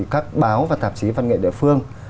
các báo và tạp chí văn nghệ địa phương